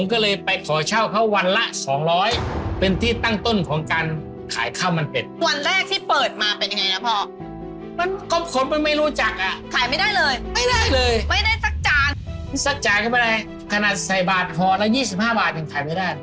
สักจานก็ไม่ไรขณะใส่บาทหอละ๒๕บาทยังขายไปได้